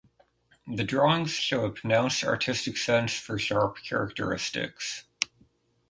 The drawings show a pronounced artistic sense for sharp characteristics.